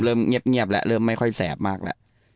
เริ่มเงียบแล้วเริ่มไม่ค่อยแสบมากแล้ว